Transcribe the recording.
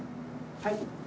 はい。